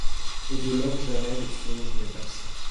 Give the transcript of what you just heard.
Et de l’homme jamais le songe n’est absent.